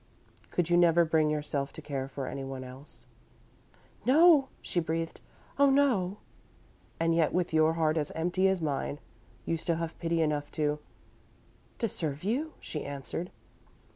Could you never bring yourself to care for anyone else?" "No," she breathed. "Oh, no!" "And yet, with your heart as empty as mine you still have pity enough to " "To serve you," she answered.